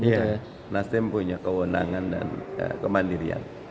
ya nasdem punya kewenangan dan kemandirian